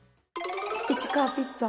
市川ピッツァ